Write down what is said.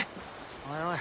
おいおい。